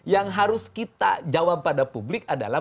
yang harus kita jawab pada publik adalah